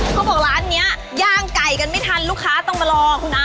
เขาบอกร้านนี้ย่างไก่กันไม่ทันลูกค้าต้องมารอคุณนะ